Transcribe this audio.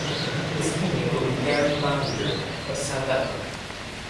His teammate will be Darryn Binder of South Africa.